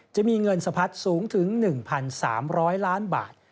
จะมีเงินสะพัดสูงถึง๑๓๐๐ล้านบาท